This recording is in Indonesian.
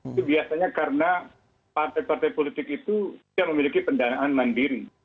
itu biasanya karena partai partai politik itu tidak memiliki pendanaan mandiri